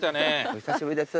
お久しぶりです！